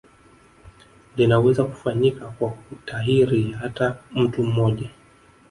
Linaweza kufanyika kwa kutahiri hata mtu mmoja